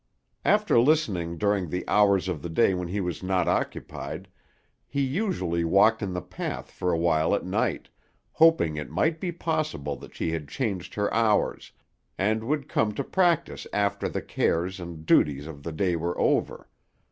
After listening during the hours of the day when he was not occupied, he usually walked in the path for a while at night, hoping it might be possible that she had changed her hours, and would come to practise after the cares and duties of the day were over.